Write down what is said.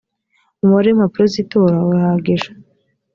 umubare w impapuro z itora urahagije